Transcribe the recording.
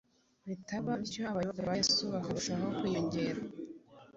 bitaba bityo abayoboke ba Yesu bakarushaho kwiyongera.